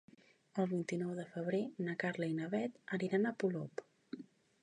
El vint-i-nou de febrer na Carla i na Bet aniran a Polop.